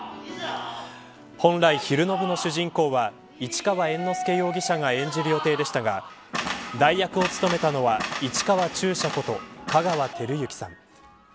本来、昼の部の主人公は市川猿之助容疑者が演じる予定でしたが代役を務めたのは市川中車こと香川照之さん。